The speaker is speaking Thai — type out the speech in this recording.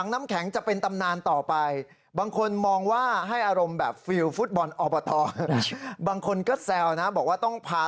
นี่คุณอันนี้ในฝั่งของแมนดูนะ